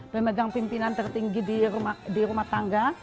pemegang pimpinan tertinggi di rumah tangga